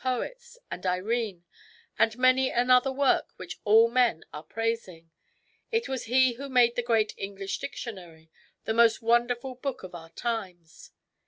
60 THIRTY MORE FAMOUS STORIES and Irene and many another work which all men are praising. It was he who made the great Eng lish Dictionary^ the most wonderful book of our times.